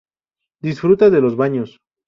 Disfruta de los baños.